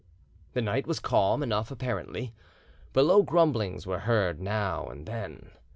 The night was calm enough apparently, but low grumblings were heard now and then.